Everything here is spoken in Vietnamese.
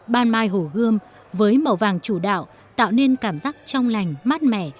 ban mai hồ gươm với màu vàng chủ đạo tạo nên cảm giác trong lành mát mẻ